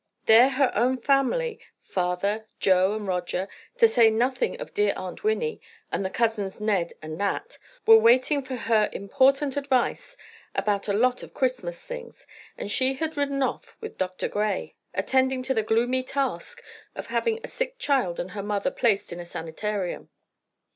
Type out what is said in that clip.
There her own family—father, Joe and Roger, to say nothing of dear Aunt Winnie, and the cousins Ned and Nat—were waiting for her important advice about a lot of Christmas things, and she had ridden off with Dr. Gray, attending to the gloomy task of having a sick child and her mother placed in a sanitarium.